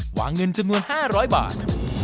วางเงินจำนวน๕๐๐บาท